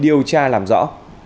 điều tra làm rõ